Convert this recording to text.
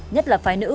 nhất là phái nữ